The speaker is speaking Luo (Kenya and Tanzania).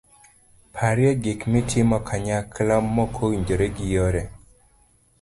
parye gik mitimo kanyakla mokowinjre gi yore